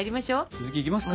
続きいきますか。